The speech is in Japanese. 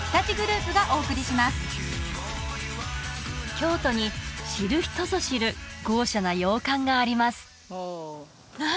京都に知る人ぞ知る豪奢な洋館があります何？